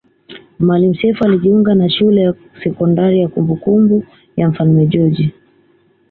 Maalim Self alijiunga na shule ya sekondari ya kumbukumbu ya mfalme George